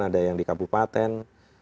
ada yang di kabupaten